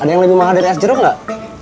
ada yang lebih mahal dari es jeruk nggak